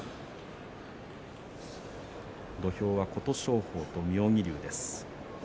土俵は琴勝峰と妙義龍です。